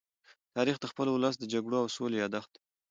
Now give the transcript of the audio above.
تاریخ د خپل ولس د جګړو او سولې يادښت دی.